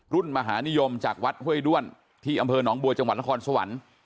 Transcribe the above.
มหานิยมจากวัดห้วยด้วนที่อำเภอหนองบัวจังหวัดนครสวรรค์